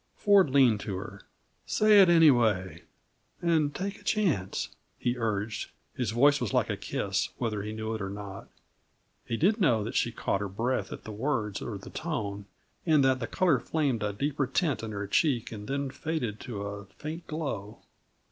Ford leaned to her. "Say it anyway and take a chance," he urged, and his voice was like a kiss, whether he knew it or not. He did know that she caught her breath at the words or the tone, and that the color flamed a deeper tint in her cheek and then faded to a faint glow.